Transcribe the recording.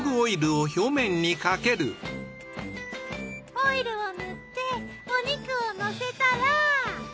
オイルを塗ってお肉をのせたら。